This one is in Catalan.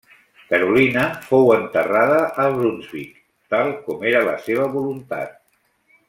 Carolina fou enterrada a Brunsvic tal com era la seva voluntat.